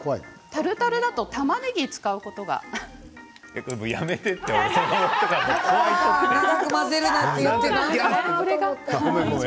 タルタルだとたまねぎを使うことがあるんです。